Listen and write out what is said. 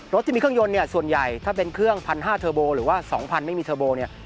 ที่มีเครื่องยนต์เนี่ยส่วนใหญ่ถ้าเป็นเครื่อง๑๕๐๐เทอร์โบหรือว่า๒๐๐ไม่มีเทอร์โบเนี่ย